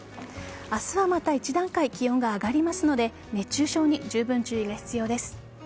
明日はまた一段階気温が上がりますので熱中症にじゅうぶん注意が必要です。